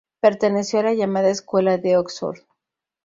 Perteneció a la llamada Escuela de Oxford.